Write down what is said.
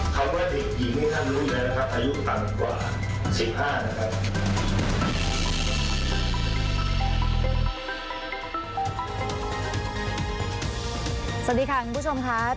สวัสดีค่ะคุณผู้ชมค่ะ